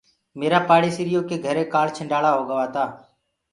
ميرآ پاڙيسريو ڪي گھري ڪآنڇنڊݪآ هوگوآ تآ۔